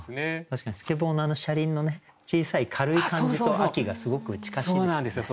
確かにスケボーのあの車輪のね小さい軽い感じと秋がすごく近しいですよね。